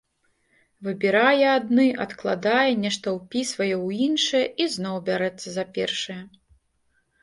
Выбірае адны, адкладае, нешта ўпісвае ў іншыя і зноў бярэцца за першыя.